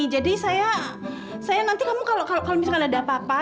jadi saya saya nanti kamu kalau misalnya ada apa apa